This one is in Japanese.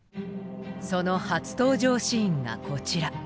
その初登場シーンがこちら。